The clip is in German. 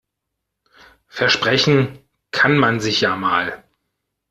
Versprechen kann man sich ja mal.